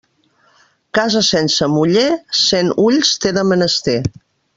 Casa sense muller, cent ulls té de menester.